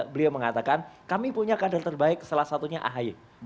beliau mengatakan kami punya kader terbaik salah satunya ahy